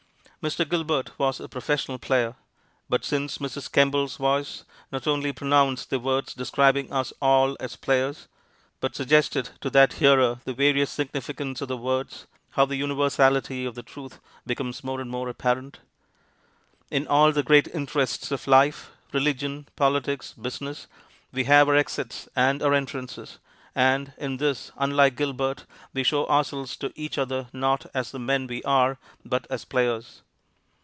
Mr. Gilbert was a professional player. But since Mrs. Kemble's voice not only pronounced the words describing us all as players, but suggested to that hearer the various significance of the words, how the universality of the truth becomes more and more apparent! In all the great interests of life religion, politics, business we have our exits and our entrances, and, in this, unlike Gilbert, we show ourselves to each other not as the men we are, but as players.